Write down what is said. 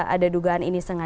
ada dugaan ini sengaja